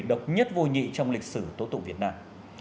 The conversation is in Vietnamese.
độc nhất vô nhị trong lịch sử tố tụng việt nam